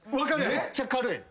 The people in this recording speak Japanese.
めっちゃ軽い。